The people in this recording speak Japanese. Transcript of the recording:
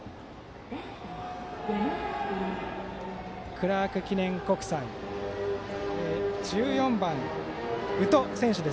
クラーク記念国際１４番、宇都選手。